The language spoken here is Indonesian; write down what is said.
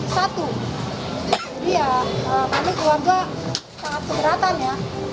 jadi ya kami keluarga sangat keberatan ya